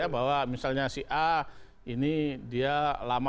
bahwa misalnya si a ini dia lama